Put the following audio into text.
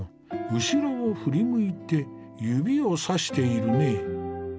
後ろを振り向いて指をさしているね。